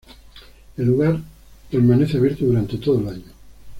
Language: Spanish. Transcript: El lugar permanece abierto durante todo el año.